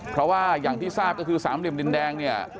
เพราะว่าอย่างที่ทราบก็คือสามเหลี่ยมดินแดงเนี่ย